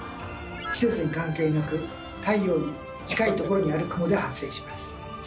季節に関係なく太陽に近いところにある雲で発生します。